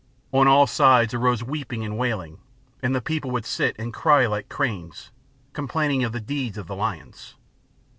On all sides arose weeping and wailing, and the people would sit and cry like cranes, complaining of the deeds of the lions.